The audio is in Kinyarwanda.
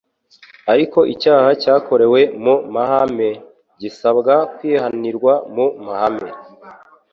ariko icyaha cyakorewe mu mhame gisabwa kwihanirwa mu mhame.